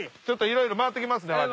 ちょっといろいろ回ってきます。